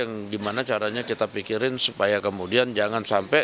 dan gimana caranya kita pikirin supaya kemudian jangan sampai